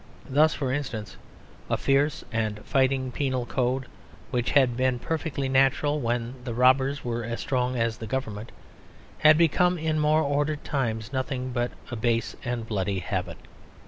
Thus, for instance, a fierce and fighting penal code, which had been perfectly natural when the robbers were as strong as the Government, had become in more ordered times nothing but a base and bloody habit.